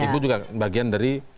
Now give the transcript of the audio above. ibu juga bagian dari